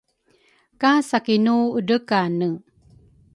ka Sakinu edrekane